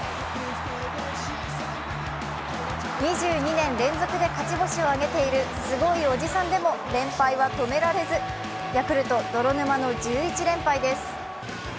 ２２年連続で勝ち星を挙げているすごいおじさんでも連敗は止められず、ヤクルト泥沼の１１連敗です。